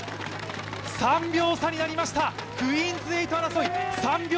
３秒差になりました、クイーンズ８争い。